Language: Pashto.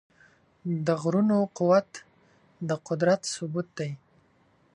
د غرونو قوت د قدرت ثبوت دی.